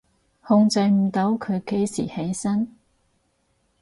控制唔到佢幾時起身？